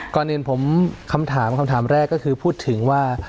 ก่อนอื่นผมคำถามคำถามแรกก็คือพูดถึงว่า